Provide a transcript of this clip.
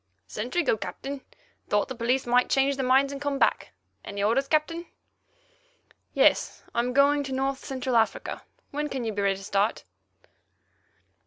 "Sentry go, Captain. Thought the police might change their minds and come back. Any orders, Captain?" "Yes. I am going to North Central Africa. When can you be ready to start?"